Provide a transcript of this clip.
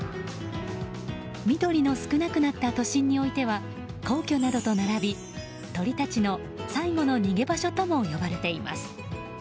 緑の少なくなった都心においては皇居などと並び鳥たちの最後の逃げ場所とも呼ばれています。